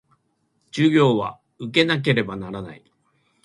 授業は受けなければならない